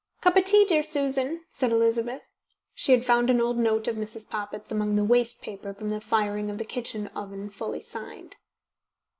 "Cup of tea, dear Susan?" said Elizabeth. She had found an old note of Mrs. Poppit's among the waste paper for the firing of the kitchen oven fully signed.